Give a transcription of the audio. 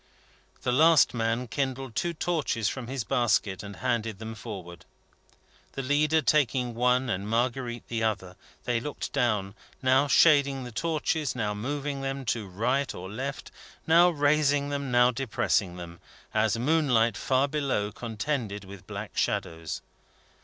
The last man kindled two torches from his basket, and handed them forward. The leader taking one, and Marguerite the other, they looked down; now shading the torches, now moving them to the right or left, now raising them, now depressing them, as moonlight far below contended with black shadows.